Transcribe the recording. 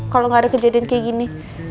kalau nggak ada kejadian kayak gini